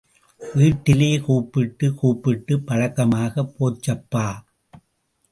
வீட்டிலே கூப்பிட்டு கூப்பிட்டுப் பழக்கமாகப் போச்சுப்பா!